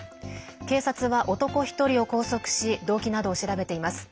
警察は男１人を拘束し動機などを調べています。